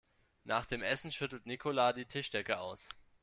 Nach dem Essen schüttelt Nicola die Tischdecke aus.